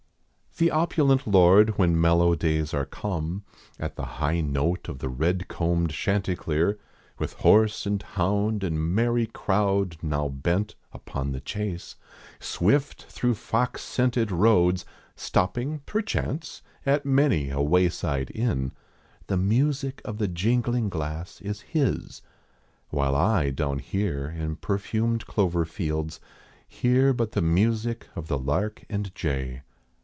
The opulent lord when mellow days are come, At the high note of red combed chanticleer, With horse and hound and merrv crowd now bent rpon the chase. Swift through fox scented roads, Stopping, perchance, at many a wayside inn, The music of the jingling glass is his, While I down here in perfumed clover fields. Hear but the music of the lark and jay.